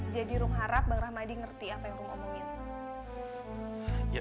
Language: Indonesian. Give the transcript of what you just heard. jadi rum harap bang rahmadi ngerti apa yang rum omongin